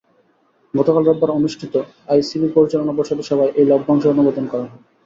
গতকাল রোববার অনুষ্ঠিত আইসিবির পরিচালনা পর্ষদের সভায় এই লভ্যাংশ অনুমোদন করা হয়।